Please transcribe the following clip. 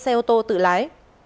xe ô tô tự lái